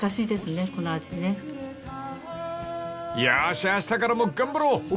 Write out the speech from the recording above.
［よしあしたからも頑張ろう］